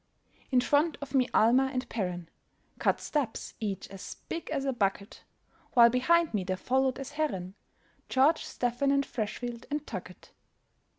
In front of me Almer and Perren Cut steps, each as big as a bucket; While behind me there followed, as Herren, George, Stephen, and Freshfield, and Tuckett.